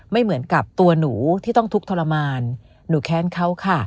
ไม่เหมือนกับตัวหนูที่ต้องทุกข์ทรมานหนูแค้นเขาค่ะ